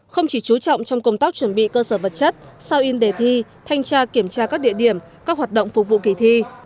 không chỉ chú trọng trong công tác chuẩn bị cơ sở vật chất sao in đề thi thanh tra kiểm tra các địa điểm các hoạt động phục vụ kỳ thi